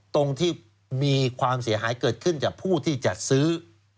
ตรงที่มีความเสียหายเกิดขึ้นจากผู้ที่จัดซื้อ